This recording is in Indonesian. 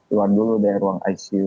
keluar dulu dari ruang icu